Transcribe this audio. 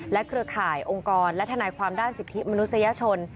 เครือข่ายองค์กรและทนายความด้านสิทธิมนุษยชน